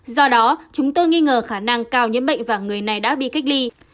do đó chúng tôi nghi ngờ khả năng cao nhiễm bệnh và người này đã bị cách ly